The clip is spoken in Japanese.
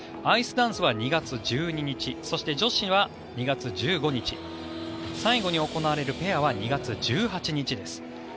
アイスダンスは２月１２日そして女子は２月１５日最後に行われるペアは２月１８日です。